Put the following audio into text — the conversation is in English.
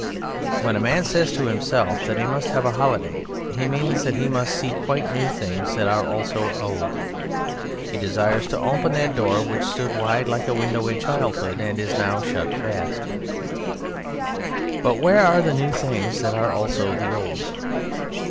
When a man says to himself that he must have a holiday he means that he must see quite new things that are also old: he desires to open that door which stood wide like a window in childhood and is now shut fast. But where are the new things that are also the old?